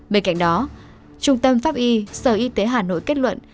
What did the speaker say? bên cạnh đó trung tâm pháp y sở y tế hà nội kết luận